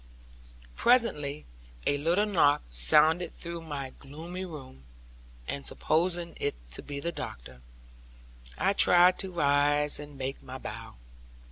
Presently a little knock sounded through my gloomy room, and supposing it to be the doctor, I tried to rise and make my bow.